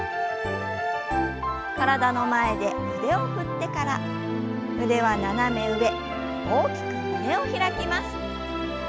体の前で腕を振ってから腕は斜め上大きく胸を開きます。